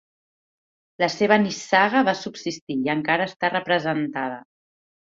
La seva nissaga va subsistir i encara està representada.